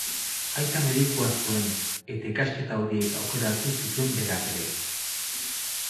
Aita medikua zuen, eta ikasketa horiek aukeratu zituen berak ere.